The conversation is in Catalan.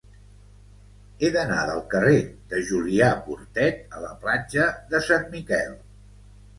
He d'anar del carrer de Julià Portet a la platja de Sant Miquel.